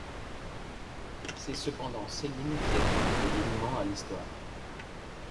C'est cependant Selim qui apporte le dénouement à l'histoire.